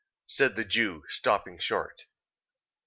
said the Jew, stopping short.